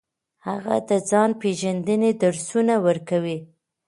هغه د ځان پیژندنې درسونه ورکوي.